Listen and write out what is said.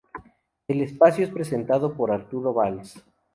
El espacio es presentado por Arturo Valls.